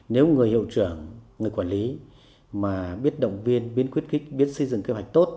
nếu người hiệu trưởng người quản lý mà biết động viên biết khuyến kích biết xây dựng kế hoạch tốt